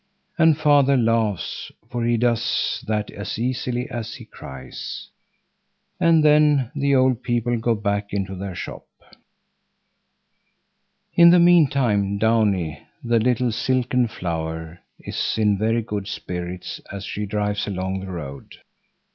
And father laughs, for he does that as easily as he cries. And then the old people go back into their shop. In the meantime Downie, the little silken flower, is in very good spirits as she drives along the road.